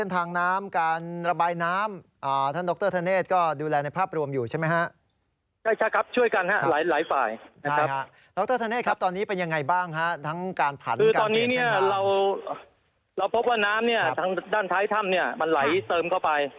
ทางด้านท้ายถ้ำเนี่ยมันไหลเติมเข้าไป